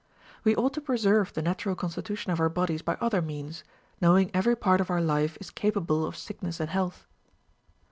AVe ought to preserve the natural constitution of our bodies by other means, knowing every part of our life is capable of sickness and health.